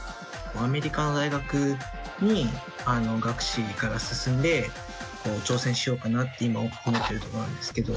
アメリカの大学に学士から進んで挑戦しようかなって今思ってるところなんですけど。